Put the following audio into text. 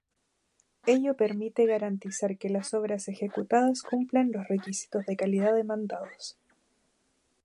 Ello permite garantizar que las obras ejecutadas cumplan los requisitos de calidad demandados.